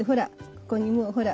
ここにもうほら。